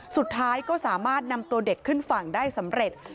สุดท้ายก็สามารถนำตัวเด็กขึ้นฝั่งได้สำเร็จ